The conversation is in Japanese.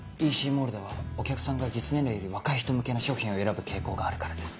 ＥＣモールではお客さんが実年齢より若い人向けの商品を選ぶ傾向があるからです。